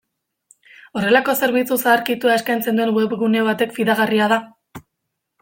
Horrelako zerbitzu zaharkitua eskaintzen duen webgune batek fidagarria da?